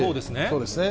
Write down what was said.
そうですね。